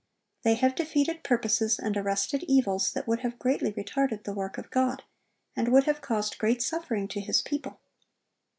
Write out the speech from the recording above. They have defeated purposes and arrested evils that would have greatly retarded the work of God, and would have caused great suffering to His people.